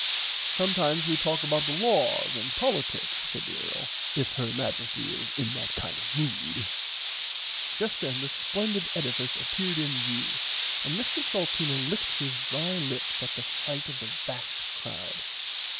Sometimes we talk about the laws and politics said the earl if Her Majesty is in that kind of a mood. Just then the splendid edifice appeared in view and Mr Salteena licked his dry lips at sight of the vast crowd.